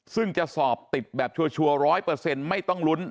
ซึ่งจะสอบติดแบบชัวร์ร้อยเปอร์เซ็นต์ไม่ต้องลุ้น